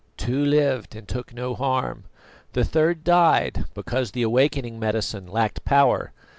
"Two lived and took no harm; the third died, because the awakening medicine lacked power.